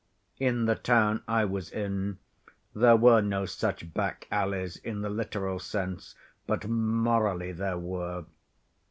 In the town I was in, there were no such back‐alleys in the literal sense, but morally there were.